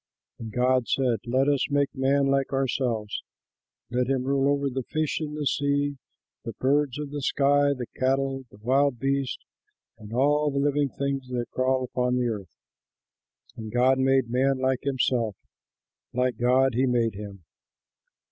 And God said, "Let us make man like ourselves. Let him rule over the fish in the sea, the birds of the sky, the cattle, the wild beasts and all the living things that crawl upon the ground." And God made man like himself, like God he made him.